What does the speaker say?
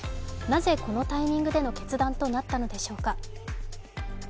なぜ、このタイミングでの決断となったのでしょうか。